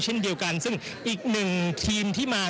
เช่นเดียวกันซึ่งอีกหนึ่งทีมที่มา